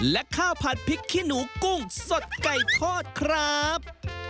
และข้าวผัดพริกขี้หนูกุ้งสดไก่ทอดครับ